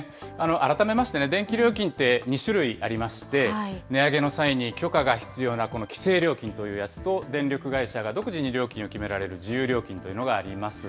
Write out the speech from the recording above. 改めまして、電気料金って２種類ありまして、値上げの際に許可が必要なこの規制料金というやつと、電力会社が独自に料金を決められる自由料金というのがあります。